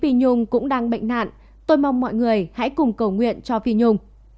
phi nhung cũng đang bệnh nạn tôi mong mọi người hãy cùng cầu nguyện cho phi nhung